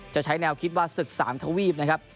จะใช้แนวคิดว่าศึกษ์สามถวีบนะครับ